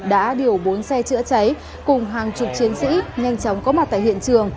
đã điều bốn xe chữa cháy cùng hàng chục chiến sĩ nhanh chóng có mặt tại hiện trường